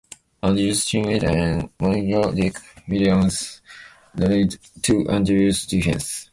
Andrews' teammates and manager Dick Williams rallied to Andrews's defense.